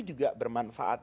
itu juga bermanfaat